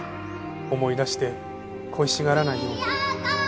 思い出して恋しがらないように。